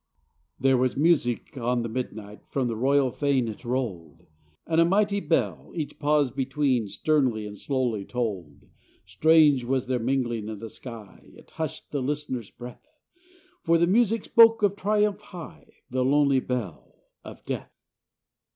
] There was music on the midnight, From a royal fane it rolled ; And almighty bell, each pause between, Sternly and slowly tolled. Strange was their mingling in the sky, It hushed the listener's breath; For the music spoke of triumph high, The lonely bell, — of death!